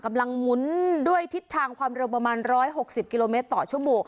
กำลังหมุนด้วยทิศทางความเร็วประมาณร้อยหกสิบกิโลเมตรต่อชั่วโม